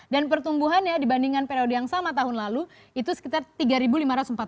dan pertumbuhannya dibandingkan periode yang sama tahun lalu itu sekitar tiga lima ratus empat puluh